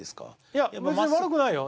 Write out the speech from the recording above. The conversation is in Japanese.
いや別に悪くないよ。